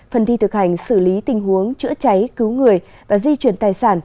phần thi thực hành xử lý tình huống chữa cháy cứu người và di chuyển tài sản